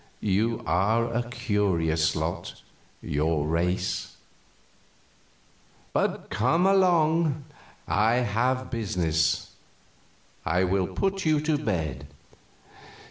You are a curious lot your race. But come along; I have business. I will put you to bed."